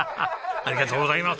ありがとうございます！